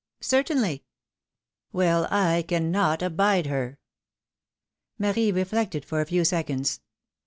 '^" Certainly ! "Well, I cannot abide her Marie reflected for a few seconds.